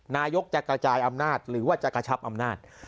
นายกจะกระจายอำนาจหรือว่าจะกระชับอำนาจ